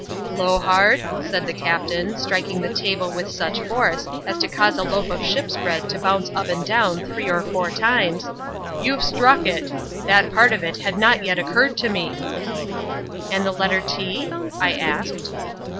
"Blowhard," said the Captain, striking the table with such force as to cause a loaf of ship's bread to bounce up and down three or four times, "you've struck it. That part of it had not yet occurred to me." "And the letter T?" I asked.